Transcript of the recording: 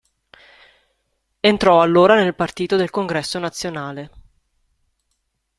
Entrò allora nel Partito del Congresso Nazionale.